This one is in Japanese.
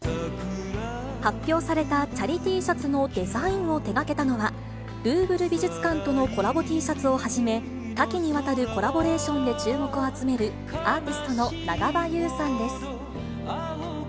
発表されたチャリＴシャツのデザインを手がけたのは、ルーブル美術館とのコラボＴシャツをはじめ、多岐にわたるコラボレーションで注目を集める、アーティストの長場雄さんです。